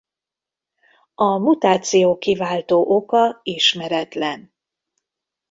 A mutáció kiváltó oka ismeretlen.